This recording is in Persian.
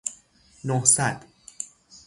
نهصد